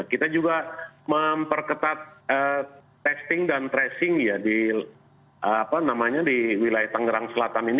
kita juga memperketat testing dan tracing di wilayah tangerang selatan ini